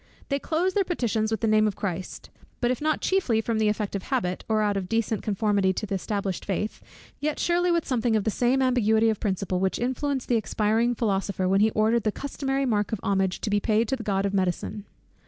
They close their petitions with the name of Christ; but if not chiefly from the effect of habit, or out of decent conformity to the established faith, yet surely with something of the same ambiguity of principle which influenced the expiring philosopher, when he ordered the customary mark of homage to be paid to the god of medicine.